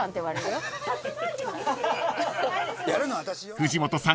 ［藤本さん